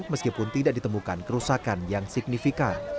meskipun tidak ditemukan kerusakan yang signifikan